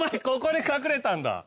ここに隠れたんだ？